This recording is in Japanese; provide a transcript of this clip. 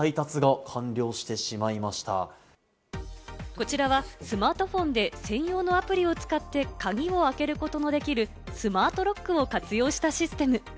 こちらはスマートフォンで専用のアプリを使って鍵を開けることのできるスマートロックを活用したシステム。